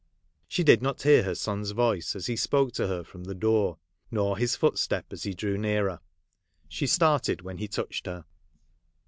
She did not hear her son's voice, as he spoke to her from the door, nor his footstep as he drew nearer. She started when he touched her.